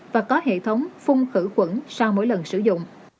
và có hệ thống phung khử quẩn sau mỗi lần sử dụng